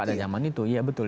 pada zaman itu iya betul